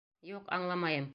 Юҡ, аңламайым.